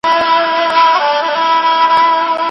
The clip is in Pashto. ګلوټین پرېښودل هم مرسته کوي.